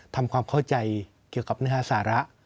ทำความเข้าใจเกี่ยวกับเนื้อสาระ